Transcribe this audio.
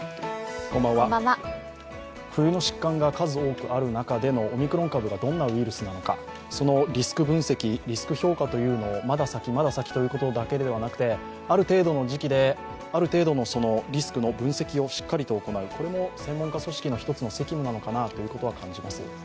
冬の疾患が数多くある中でのオミクロン株がどんなウイルスなのか、そのリスク分析、リスク評価というのをまだ先まだ先ということだけではなくて、ある程度の時期である程度のリスクの分析をしっかりと行う、これも専門家組織の一つの責務なのかなと感じます。